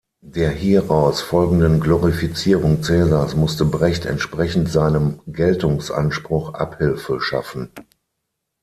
Der hieraus folgenden „Glorifizierung“ Caesars musste Brecht entsprechend seinem Geltungsanspruch Abhilfe schaffen.